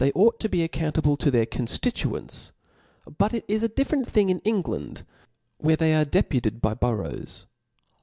6. ought to be accounuble to their conftituents ; but it is a different thing in EnglMd, where they a|:e deputed by boroughs.